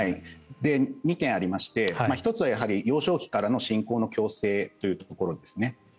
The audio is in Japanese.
２点ありまして１つは幼少期からの信仰の強制というところですね。